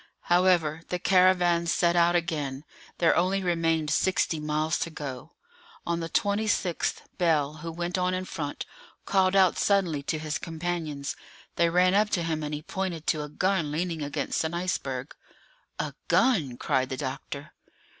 However, the caravan set out again; there only remained sixty miles to go. On the 26th, Bell, who went on in front, called out suddenly to his companions. They ran up to him, and he pointed to a gun leaning against an iceberg. "A gun!" cried the doctor.